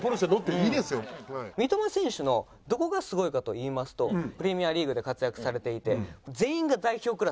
三笘選手のどこがすごいかといいますとプレミアリーグで活躍されていて。